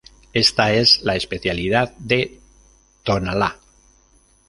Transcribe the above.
Esta es la especialidad de Tonalá.